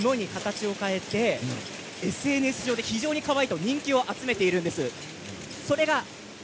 パイル織物ですがあるものに形を変えてＳＮＳ上で、非常にかわいいと人気を集めているんです。